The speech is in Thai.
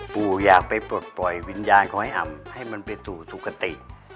อยากไปปลดปล่อยวิญญาณของไอ้อ่ำให้มันไปสู่สุขติ